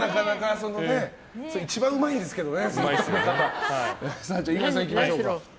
それ、一番うまいですけどね。